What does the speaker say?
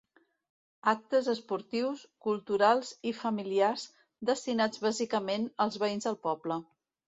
Actes esportius, culturals i familiars destinats bàsicament als veïns del poble.